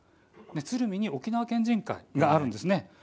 鶴見に沖縄県人会があるんです。